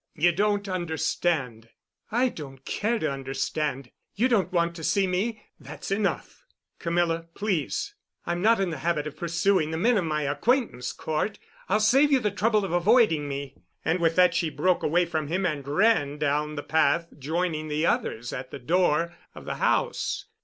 "You don't understand——" "I don't care to understand. You don't want to see me—that's enough——" "Camilla, please——" "I'm not in the habit of pursuing the men of my acquaintance, Cort. I'll save you the trouble of avoiding me." And with that she broke away from him and ran down the path, joining the others at the door of the house.